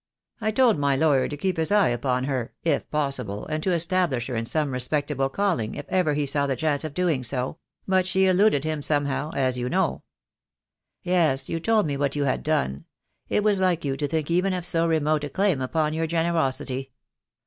I told my lawyer to keep his eye upon her, if possible, and to establish her in some respectable calling if ever he saw the chance of doing so; but she eluded him somehow, as you know." "Yes, you told me what you had done. It was like you to think even of so remote a claim upon your generosity."